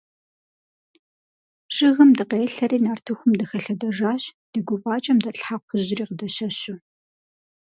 Жыгым дыкъелъэри нартыхум дыхэлъэдэжащ, ди гуфӀакӀэм дэтлъхьа кхъужьри къыдэщэщу.